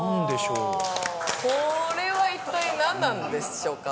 これは一体なんなんでしょうか？